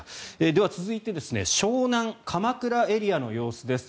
では続いて湘南・鎌倉エリアの様子です。